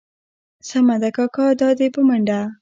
سمه ده کاکا دا دي په منډه.